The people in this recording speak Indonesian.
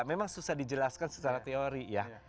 memang susah dijelaskan secara teori ya